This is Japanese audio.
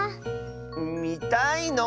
みたいの？